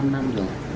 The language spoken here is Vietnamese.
hai mươi năm năm rồi